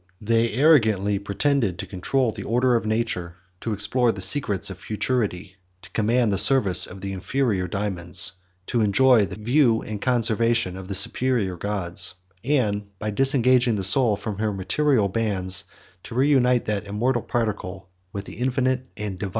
They arrogantly pretended to control the order of nature, to explore the secrets of futurity, to command the service of the inferior dæmons, to enjoy the view and conversation of the superior gods, and by disengaging the soul from her material bands, to reunite that immortal particle with the Infinite and Divine Spirit.